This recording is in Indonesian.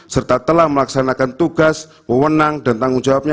serta telah melaksanakan tugas pemenang dan tanggung jawabnya